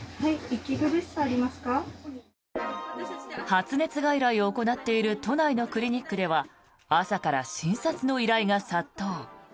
発熱外来を行っている都内のクリニックでは朝から診察の依頼が殺到。